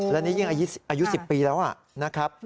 และนี่ยิ่งอายุ๑๐ปีแล้วนะครับ